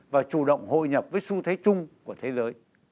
và chủ động hội nhập với xu thế chung của thế giới